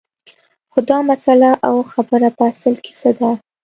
خو دا مسله او خبره په اصل کې څه ده